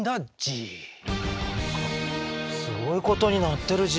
すごいことになってるＧ。